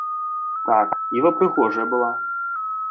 Так, іва прыгожая была.